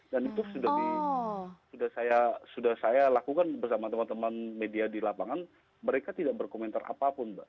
dan itu sudah saya lakukan bersama teman teman media di lapangan mereka tidak berkomentar apapun mbak